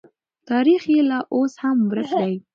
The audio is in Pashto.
تاریخ یې لا اوس هم ورک دی.